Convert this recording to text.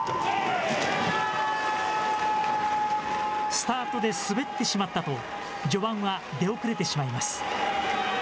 スタートで滑ってしまったと、序盤は出遅れてしまいます。